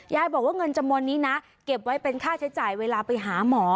ยายบอกว่าเงินจำนวนนี้นะเก็บไว้เป็นค่าใช้จ่ายเวลาไปหาหมอ